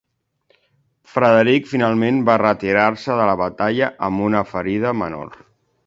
Frederic finalment va retirar-se de la batalla amb una ferida menor.